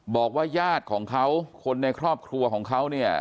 บอกว่าญาติของเขาคนในครอบครัวของเขาเนี่ย